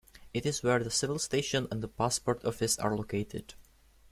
It is where the Civil Station and the Passport Office are located.